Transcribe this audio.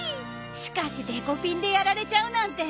しかしデコピンでやられちゃうなんて。